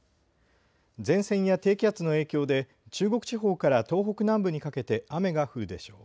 前線や低気圧の影響で中国地方から東北南部にかけて雨が降るでしょう。